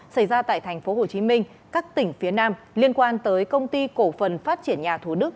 xảy ra tại tp hcm các tỉnh phía nam liên quan tới công ty cổ phần phát triển nhà thủ đức